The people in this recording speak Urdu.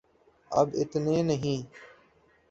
اب اتنے نہیں۔